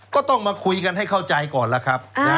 ก็ต้องมาคุยกันให้เข้าใจก่อนล่ะครับ